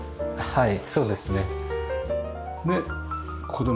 はい。